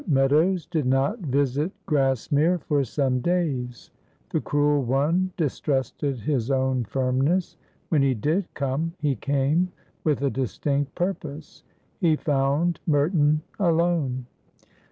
MEADOWS did not visit Grassmere for some days; the cruel one distrusted his own firmness. When he did come he came with a distinct purpose. He found Merton alone.